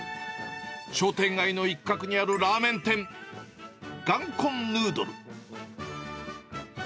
商店街の一角にあるラーメン店、ガンコンヌードル。